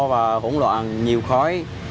và hỗn loạn nhiều khói